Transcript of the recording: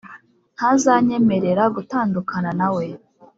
ntazanyemerera gutandukana nawe,